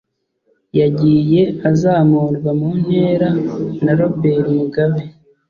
yagiye azamurwa mu ntera na Robert Mugabe